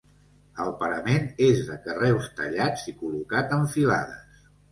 El parament és de carreus tallats i col·locat en filades.